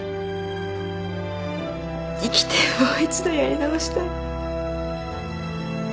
生きてもう一度やり直したい。